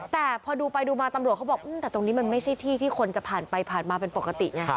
แต่พอดูไปดูมาตำรวจเขาบอกแต่ตรงนี้มันไม่ใช่ที่ที่คนจะผ่านไปผ่านมาเป็นปกติไง